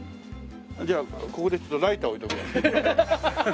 じゃあここにちょっとライター置いとくわ。